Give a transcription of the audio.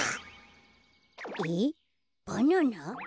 えっバナナ？